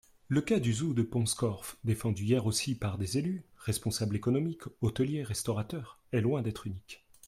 Le cas du zoo de Pont-Scorff, défendu hier aussi par des élus, responsables économiques, hôteliers, restaurateurs, est loin d'être unique.